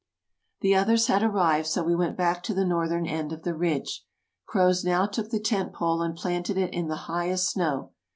The others had arrived, so we went back to the northern end of the ridge. Croz now took the tent pole and planted it in the highest snow.